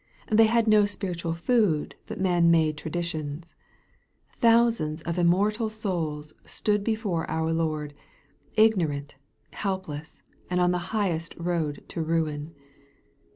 They had no spiritual food but man made traditions. Thousands of immortal soula stood before our Lord, ignorant, helpless, and on the high road to ruin.